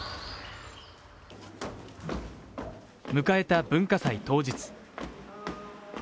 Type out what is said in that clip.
迎えた文化祭当日。